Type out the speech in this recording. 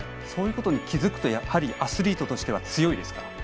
そういうことに気付くとアスリートとしては強いですか？